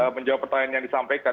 menjawab pertanyaan yang disampaikan